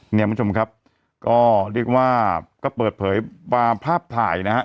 คุณผู้ชมครับก็เรียกว่าก็เปิดเผยภาพถ่ายนะฮะ